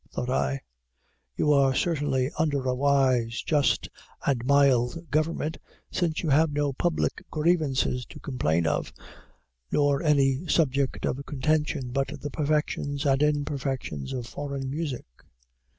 thought I; you are certainly under a wise, just, and mild government, since you have no public grievances to complain of, nor any subject of contention but the perfections and imperfections of foreign music.